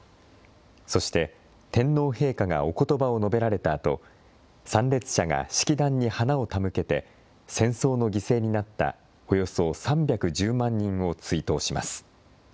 そして天皇陛下がおことばを述べられたあと参列者が式壇に花を手向けて戦争の犠牲になったおよそ３１０万人を追悼します。